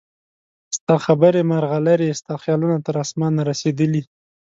ستا خبرې مرغلرې ستا خیالونه تر اسمانه رسیدلي